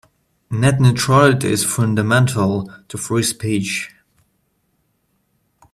Net neutrality is fundamental to free speech.